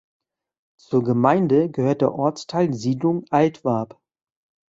Zur Gemeinde gehört der Ortsteil Siedlung Altwarp.